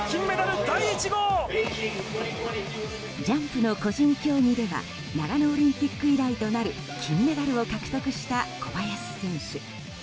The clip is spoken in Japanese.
ジャンプの個人競技では長野オリンピック以来となる金メダルを獲得した小林選手。